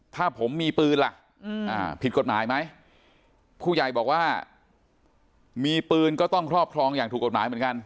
ถ้าผมมีปืนล่ะผิดกฎหมายไหมผู้ใหญ่บอกว่ามีปืนก็ต้องครอบครองอย่างถูกกฎหมายเหมือนกัน